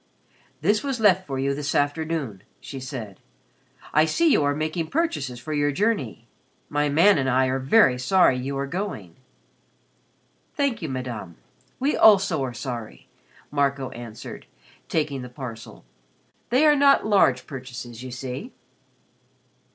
"This was left for you this afternoon," she said. "I see you are making purchases for your journey. My man and I are very sorry you are going." "Thank you, Madame. We also are sorry," Marco answered, taking the parcel. "They are not large purchases, you see."